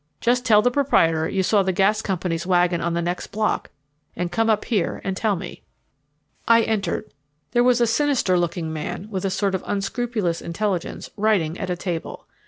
Just tell the proprietor you saw the gas company's wagon on the next block and come up here and tell me." I entered. There was a sinister looking man, with a sort of unscrupulous intelligence, writing at a table.